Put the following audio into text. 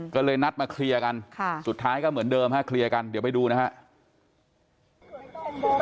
ก็เลยนัดมาเคลียร์กันสุดท้ายก็เหมือนเดิมฮะเคลียร์กันเดี๋ยวไปดูนะครับ